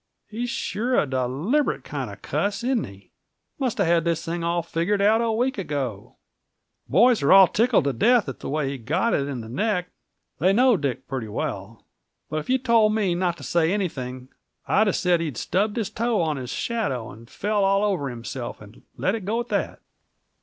He's sure a deliberate kind of a cuss, isn't he? Must have had this thing all figured out a week ago. The boys are all tickled to death at the way he got it in the neck; they know Dick pretty well. But if you'd told me not to say anything, I'd have said he stubbed his toe on his shadow and fell all over himself, and let it go at that."